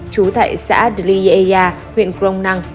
chú tại xã deliaia huyện crong năng